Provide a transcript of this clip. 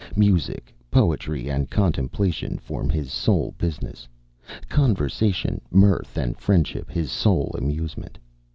Music, poetry, and contemplation, form his sole business: conversation, mirth, and friendship his sole amusement.